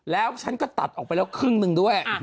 ทำไปถ่ายรูปนั่นเอง